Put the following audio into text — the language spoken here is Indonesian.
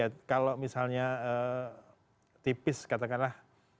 nah dulu kalau misalnya tipis katakanlah